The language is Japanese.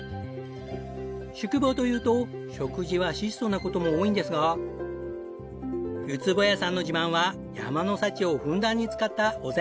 宿坊というと食事は質素な事も多いんですが靭矢さんの自慢は山の幸をふんだんに使ったお膳。